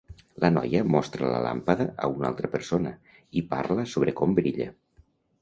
La noia mostra la làmpada a una altra persona i parla sobre com brilla